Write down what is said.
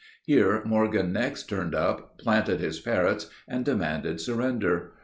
Here Morgan next turned up, planted his Parrotts, and demanded surrender.